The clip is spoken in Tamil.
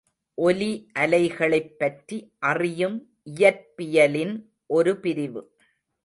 ஒலி அலைகளைப் பற்றி அறியும் இயற்பியலின் ஒரு பிரிவு.